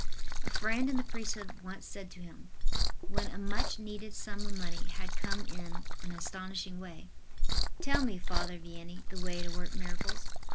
A friend in the priesthood once said to him, when a much needed sum of money had come in an astonishing way: "Tell me, Father Vianney, the way to work miracles."